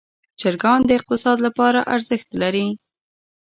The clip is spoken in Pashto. چرګان د اقتصاد لپاره ارزښت لري.